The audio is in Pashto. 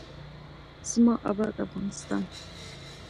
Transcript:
زما اباد افغانستان.